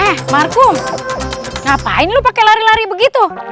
eh markum ngapain lu pakai lari lari begitu